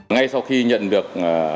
ngay sau khi nhận được